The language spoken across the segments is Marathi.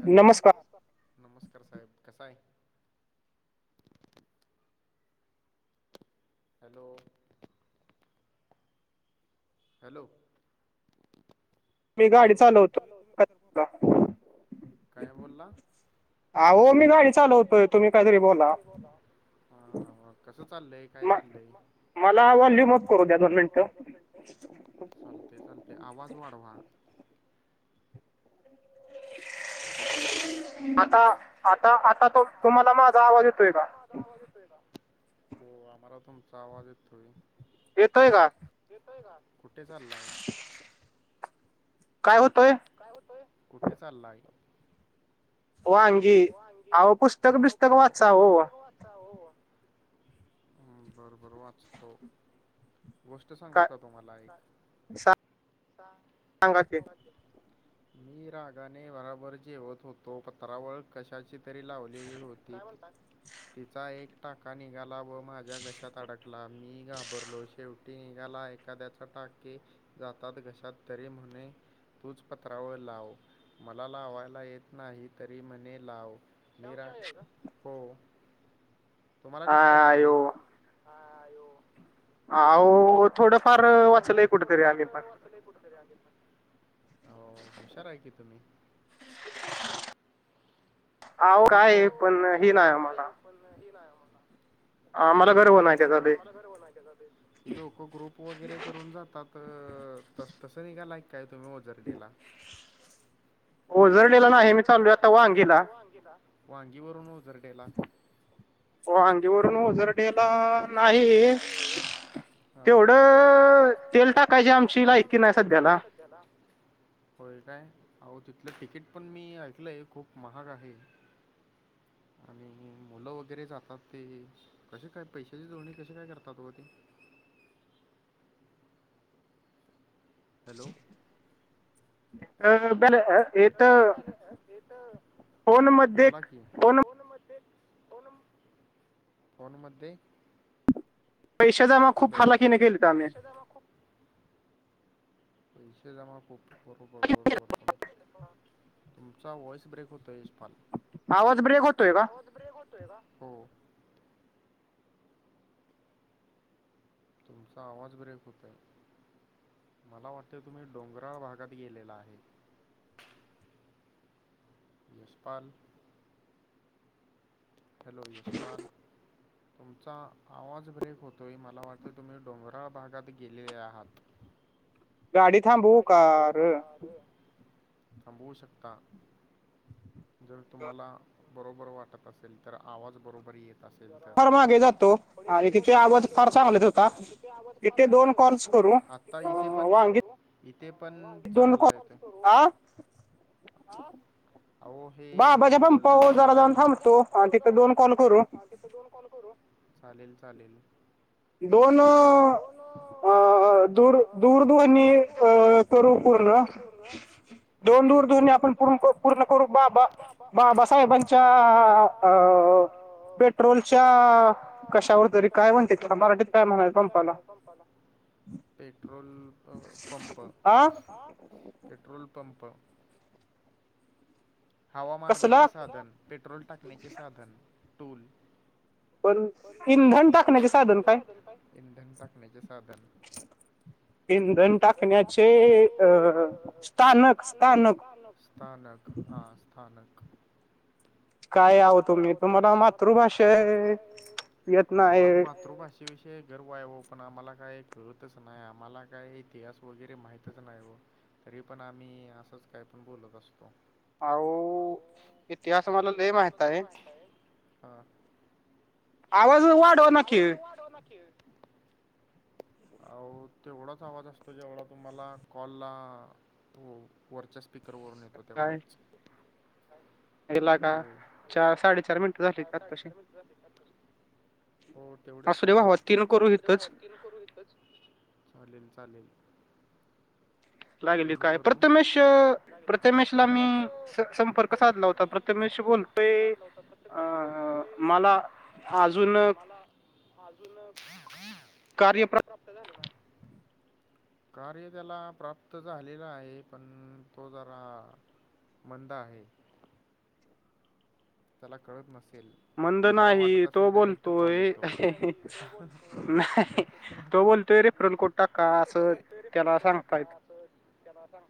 हॅलो न नमस्कार साहेब कसा आहे? हॅलो! हॅलो! हॅलो! काय बोलला? अहो मी गाडी चालवतोय तुम्ही काहीतरी बोला. बोला. हा हां कसं चाललंय? [unintelligible] चालतय चालतय आवाज वाढवा. आता आता आता तो तुम्हाला माझा आवाज येतोय का? हो आम्हाला तुमचा आवाज येतोय. येतोय का? कुठे चालला आहे? काय होतोय? काय होतय? कुठे चाललाय? वांगी अहो पुस्तक बिस्तक वाचा हो. हो अच्छा हो. बरबरं वाचतो गोष्ट सांगू का तुम्हाला एक? सांग सांगा की. मी रागाने भराभर जेवत होतो पत्रावळ कशाची तरी लावलेली होती तिचा एक टाका निघाला व माझ्या घशात अडकला मी घाबरलो शेवटी निघाला एखाद्याच टाके जातात घशात तरी म्हणे तूच पत्रावळ लाव मला लावायला येत नाही तरी म्हणे लाव निरा हो. तुम्हाला कसं काय हो माहीत? आ हाो थोडंफार वातले कुठतर्या क हो हुशार आहे की तुम्ही तुम्ही काय आहे आता काय लोक ग ब की लोक ग्रुप वगैरे करून जातात तस तसं निघाला काय तुम्ही वजरडेला हो जर ओझरडेेला नाही मी चालू आता वांगीचा वांगीवररून ओझरडेेला व अांगूर वगरडेला नाही हा तेवढं तेल टाकायची आमची नाही क नाही सध्याला होय काय अहो तिथलं तिकीट पण मी ऐकलंय खूप महाग आहे आणि मुलं वगैरे जातात ते कशी काय पैशाची दोणी कशी काय करतातो ते हॅलो अ बर ते तर बोला की फोन म फोण फोनमध्येमध्येे पैशच्यामाग खूप हालाखिने केली तर आम्ही तर खूप पस आम्हा पपबरो बर्तन तुमचा वॉइस ब्रेक होतोय इशफान आवाज ब्रेक होतोय का ब्रे होतोय का हो तुमचा आवाज ब्रेक होतय मला वाटतें तुम्ही डोंगराळ भागात गेलेला आहे यसपाल हॅलो युसपाल तुमचा आवाज ब्रेक होतोय मला वाटतं तुम्ही डोंगराळ भागात गेलेले आहात गाडी थांबवू कार अांभवश्यकता जर तुम्हाला बरोबर वाटत असेल तर आवाज बरोबर येत थोडी थोडफार मागे जातो आणि तिथे आवाज फार ांगलाच होताात आता इथे पण इथे पण दोन को हा अहो हे बोलण ज मलाथ ज थांबतो दोन चालेल चालेल दोन अ दूर दूर दोन अ करू पूर्ण दोन दूर धोणी आपण पूर्ण करू बाबा बाबासाहेबांच्या पेट्रोल क कशावर तरी काय म्हणते काय म्हणते मरा कि ल आहे संवपाला पेट्रोल पंप पेट्रोल पंप खावा मारण्याचे साधन पेट्रोल टाकण्याचे साधन टूल इंधन टाकण्याचे साधन इिलण टाकण्याचे स्थानक स्थानक स्थानक हा स्थानक काय आवं तु मी तुम्हाला मातृभाषा आहे आम्हाला मातृभाषा विषय गर्व आहे पण आम्हाला काही खळतच नाही आम्हाला काही इतिहास वगैरे माहितच नाही तरी पण आम्ही असंच काय पण बोलत असतो अ इतिहास मला तुम्हाला दे आहे ह आवाज वाढव ना केेळ अ तेवढाच आवाज असतो जेवढा तुम्हाला कॉलला वरचेच स्पीकरवरून येतो तेवढाच हो गला का चार सा साडेचार मटर हो तेवढेच होतात आप भाव कन करू येतच चालेल चालेल करू लाे काय प्रथमेश प्रथमश ला मी अजून कार्य प्राप्त झाले कार्य त्याला प्राप्त झालेलं आहे. पण तो जरा मंद आहे. त्याला कळत नसेल. त्याला वाटत असेल डायरेक्ट कॉल येतो. [unintelligible]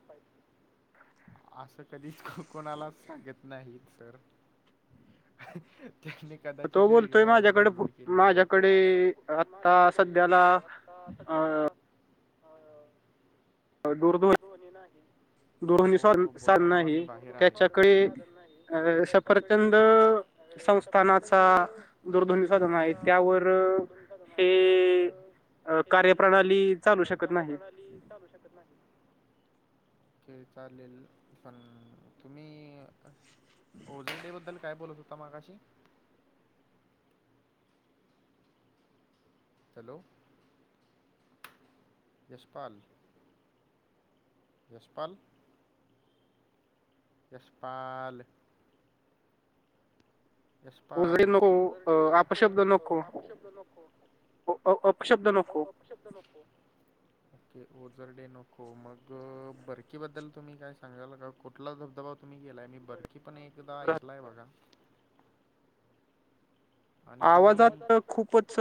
आस कधीच कोणालाच सांगत नाहीत सर. त्यानी कदाचित वेगळा ऍप डाउनलोड केलेला. तो म्हणतोय माझ्याकडे माझ्याकडे सध्याला दूरध्वनी नाही. हो तो बोलला मला मी बाहेर आहे. सफरचंद संस्थानाचा साधन आहे. त्यावर कार्यप्रणाली चालू शकत कार्यप्रणाली चालू शकत नाही. हे चालेल. पण तुम्ही [inaudible] डे बद्दल काय बोलत होता मागाशी. हॅलो यशपाल यशपाल यशपाल अशब्द नको. अ अ अपशब्द नको. अपशब्द नको. ओके ओझर डे नको. मग बरकीबद्दल तुम्ही काय सांगाल का? कुठला धबधबा तुम्ही गेलाय. मी बरकी पण एकदा ऐकलाय बघा. आवाजात खूपच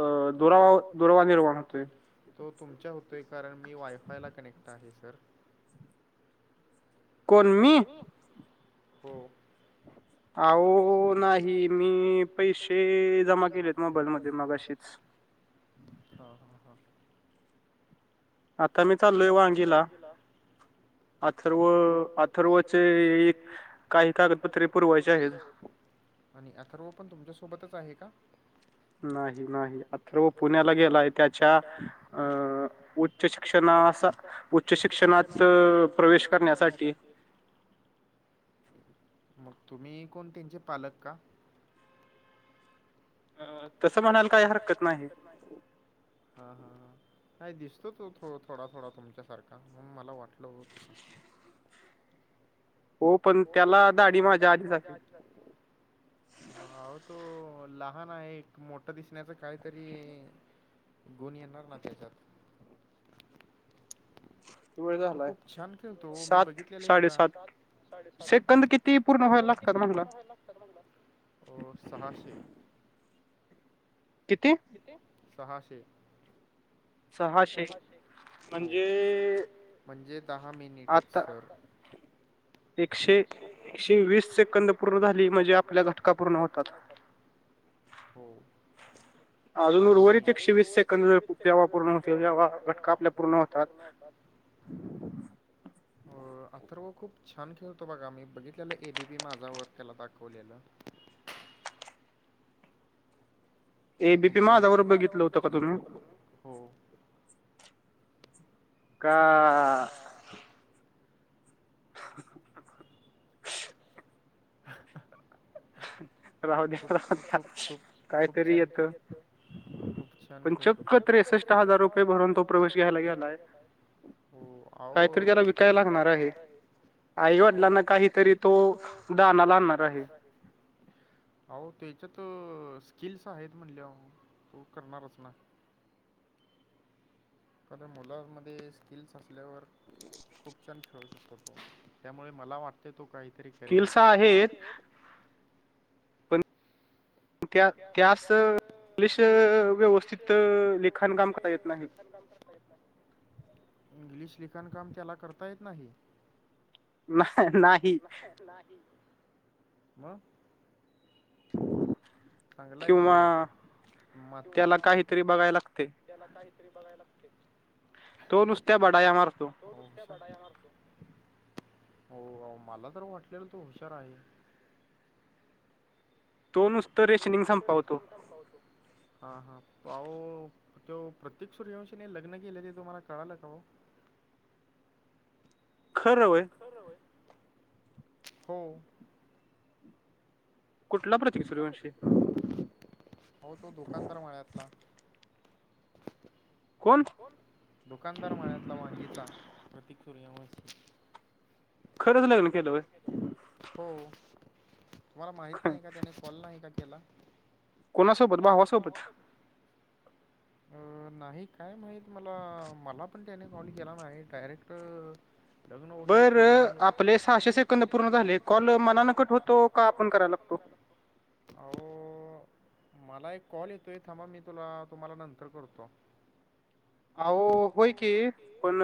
अ दुरावा दुरावा निर्माण होतोय. तो तुमच्या होतोय. कारण मी वायफायला कनेक्ट आहे सर. कोण मी. हो. अहो नाही मी पैसे जमा केलेत मोबाईल मध्ये मगाशी. हा हा हा आता मि चाललोय वांगीला. अथर्व अथर्वचे काही कागदपत्रे पुरवायचे आहेत. आणि अथर्व पण तुमच्यासोबतच आहे का? नाही नाही. अथर्व पुण्याला गेलाय. त्याच्या उच्च शिक्षणात उच्च शिक्षणात प्रवेश करण्यासाठी. मग तुम्ही कोण त्यांचे पालक का? तसं म्हणायला काही हरकत नाही. हा हा हा काही दिसतो तो थोडा थोडा तुमच्यासारखा. म्हणून मला वाटलं हो तस. हो पण त्याला दाढी माझ्या आधीच आली. अहो तो लहान आहे. एक मोठं दिसण्याच काहीतरी गुण येणार ना त्याच्यात. तो खूप छान खेळतो हो. मी बघितलेल एकदा. साडेसात एकंद किती पूरावे लागतात म्हणालात. अ सहाशे. किती? किती? सहाशे. सहाशे. हो. म्हणजे दहा मिनिटच सर. एकशे वीस सेकंद पूर्ण झाले म्हणजे आपल्या धपका पूर्ण होतात. हो आणि [unintelligible] हो अथर्व खूप छान खेळतो बघा. मी बघितलेल एबीबी माझा वर त्याला दाखवलेल. ए बीपी माझावर बघितलं होतं का तुम्ही. का. [inaudible] [inaudible] ठी [inaudible] खूू खूप खूप खूप छ येतो [inaudible] खूप छान खेळतो चक्क त्रेसष्ट हजार रुपये भरून तो प्रवेश घ्यायला गेलाय. हो अहो काय तर त्याला विकाय लागणार आहे. नाही म्हटला ना काहीतरी तो दहाना ला आणणार आहे [inaudible] आहो त्याच्यात स्किल्स आहेत म्हणले तो करणारच ना. फद्या मुलांमध्ये स्किल्स असल्यावर खूप छान खेळू शकतात. त्यामुळे मला वाटतय तो काहीतरी करेल. तर त्या त्यात इंग्लिश व्यवस्थित ते लिखण काम करता येत नाही. इंग्लिश लिखाणकाम त्याला करता येत नाही. मग काय नाही मग. किंवा त्याला काहीतरी बघाय लागतेय. त्याला काहीतरी बघायला लागतेय. तो नुसत्या बडाया मारतो. हो मला तर वाटलेलं तो हुशार आहे. तोणुस तो नुसत रशी [inaudible] कम पावतो हा हा आवो ते प्रत्येक सूर्यवंशी ने लग्न केलं ते तो मला कळाला का वो. खरं वय. हो. ु [inaudible] हो तो दुकानदार माळ्यातला कोण. दुकानदार माळ्यातला वांगीचा प्रतक सूर्यवंशी. हो मला माहित नाही का त्याने कॉल नाही का केला. अ नाही काय माहत मला मला पण त्याने कॉल केला नाही डायरेक्ट. लग्न वगैरे केलं आपले [inaudible] सहाशे सेकंद पूर्ण झाले कॉल मना न कठ होतो का आपण करायला आवो मला एक कॉल येतोय थांबा मी तुला तुम्हाला नंत तर करतो. आहो होय की पण.